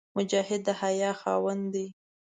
مجاهد د حیا خاوند وي.